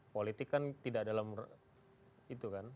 politik kan tidak dalam itu kan